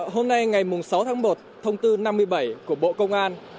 hôm nay ngày sáu tháng một thông tư năm mươi bảy của bộ công an